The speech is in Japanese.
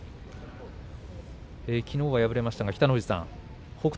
きのうは敗れましたが北の富士さん、北勝